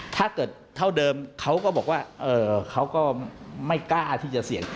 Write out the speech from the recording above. ถ้าเกิดเท่าเดิมเขาก็บอกว่าเขาก็ไม่กล้าที่จะเสี่ยง